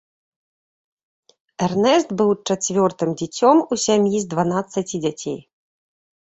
Эрнэст быў чацвёртым дзіцём у сям'і з дванаццаці дзяцей.